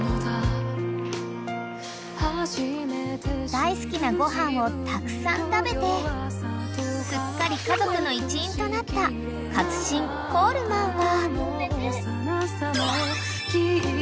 ［大好きなご飯をたくさん食べてすっかり家族の一員となった勝新コールマンは］